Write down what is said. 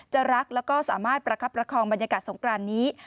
รักแล้วก็สามารถประคับประคองบรรยากาศสงครานนี้